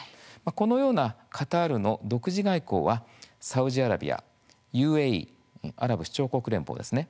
このようなカタールの独自外交はサウジアラビアＵＡＥ・アラブ首長国連邦ですね